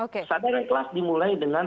kesadaran kelas dimulai dengan